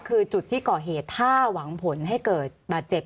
คือจุดที่ก่อเหตุถ้าหวังผลให้เกิดบาดเจ็บ